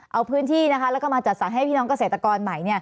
เอาพื้นที่แล้วก็มาจัดสรรให้พี่น้องเกษตรกรใหม่